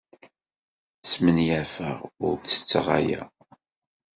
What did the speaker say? Smenyafeɣ ur ttetteɣ aya.